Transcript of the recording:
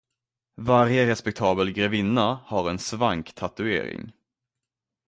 Varje respektabel grevinna har en svanktatuering.